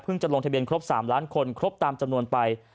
จะลงทะเบียนครบ๓ล้านคนครบตามจำนวนไป